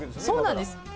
そうなんです。